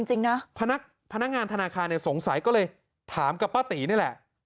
จริงนะพนักงานธนาคารเนี่ยสงสัยก็เลยถามกับป้าตีนี่แหละ